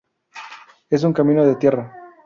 Es un camino de tierra.